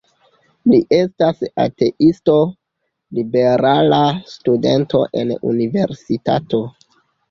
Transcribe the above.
Li estas ateisto, liberala studento en universitato.